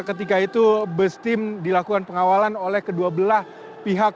ketika itu bus tim dilakukan pengawalan oleh kedua belah pihak